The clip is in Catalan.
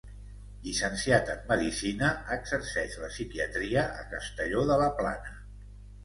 Llicenciat en medicina, exerceix la psiquiatria a Castelló de la Plana.